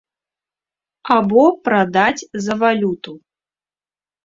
Або прадаць за валюту.